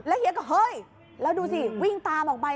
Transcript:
เฮียก็เฮ้ยแล้วดูสิวิ่งตามออกไป